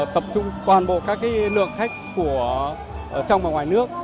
tập trung toàn bộ các cái lượng khách của trong và ngoài nước